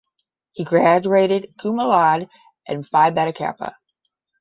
He graduated cum laude and Phi Beta Kappa.